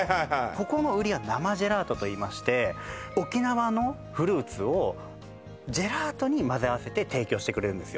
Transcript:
ここの売りは生ジェラートといいまして沖縄のフルーツをジェラートにまぜ合わせて提供してくれるんですよ